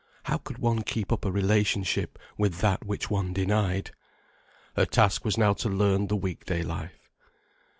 How could one keep up a relationship with that which one denied? Her task was now to learn the week day life.